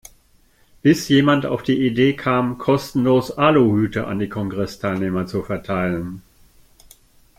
Bis jemand auf die Idee kam, kostenlos Aluhüte an die Kongressteilnehmer zu verteilen.